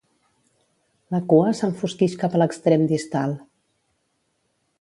La cua s'enfosquix cap a l'extrem distal.